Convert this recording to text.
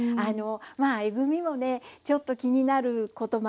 まあえぐみもねちょっと気になることもあります。